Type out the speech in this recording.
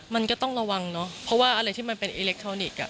มันก็ต้องระวังเนอะเพราะว่าอะไรที่มันเป็นอิเล็กทรอนิกส์